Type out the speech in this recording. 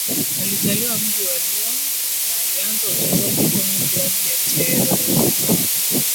alizaliwa mji wa Lyon na alianza uchezaji kwenye klabu ya Terraillon